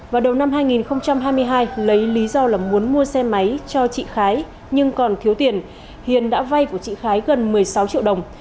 vào đầu năm hai nghìn hai mươi hai lấy lý do là muốn mua xe máy cho chị khái nhưng còn thiếu tiền hiền đã vay của chị khái gần một mươi sáu triệu đồng